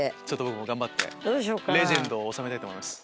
僕も頑張ってレジェンドを収めたいと思います。